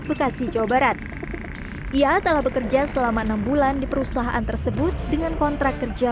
bekasi jawa barat ia telah bekerja selama enam bulan di perusahaan tersebut dengan kontrak kerja